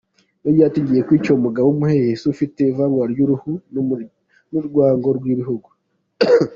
Yongeyeho ati “Ngiye kwica umugabo w’ umuhehesi, ufite ivanguraruhu, n’ urwango rw’ ibihugu.